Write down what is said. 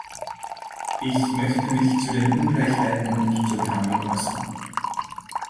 Ich möchte mich zu den Ungleichheiten und zur Behandlung äußern.